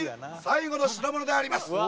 最後の品物であります。